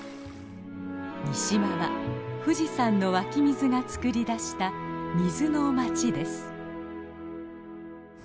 三島は富士山の湧き水がつくり出した水の街です。